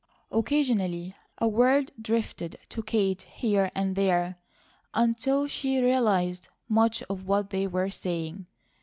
Occasionally a word drifted to Kate here and there, until she realized much of what they were saying.